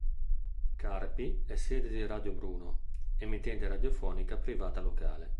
Carpi è sede di Radio Bruno, emittente radiofonica privata locale.